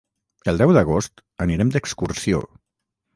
El deu d'agost anirem d'excursió.